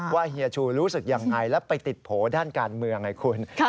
เฮียชูรู้สึกยังไงแล้วไปติดโผล่ด้านการเมืองไงคุณ